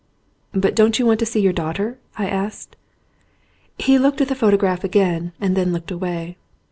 "But don't you want to see your daughter?" I asked. He looked at the photograph again and then looked away.